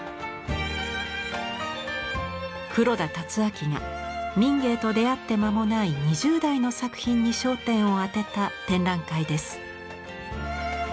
黒田辰秋が民藝と出会って間もない２０代の作品に焦点を当てた展覧会です。